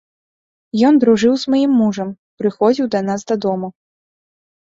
Ён дружыў з маім мужам, прыходзіў да нас дадому.